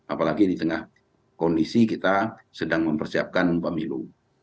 apalagi di tengah kondisi kita sedang mempersiapkan pemilu